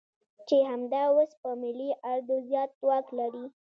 چې همدا اوس په ملي اردو زيات واک لري.